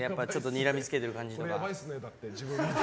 にらみつけてる感じとか。